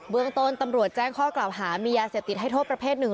เมืองต้นตำรวจแจ้งข้อกล่าวหามียาเสพติดให้โทษประเภทหนึ่ง